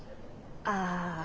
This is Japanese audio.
ああ。